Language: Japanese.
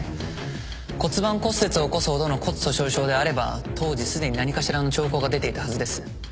骨盤骨折を起こすほどの骨粗しょう症であれば当時すでに何かしらの兆候が出ていたはずです。